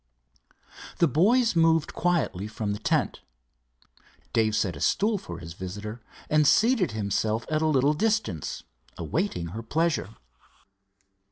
The boys moved quietly from the tent, Dave set a stool for his visitor and seated himself at a little distance, awaiting her pleasure.